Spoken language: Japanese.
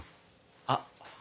あっ。